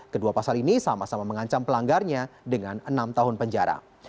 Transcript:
kedua pasal ini sama sama mengancam pelanggarnya dengan enam tahun penjara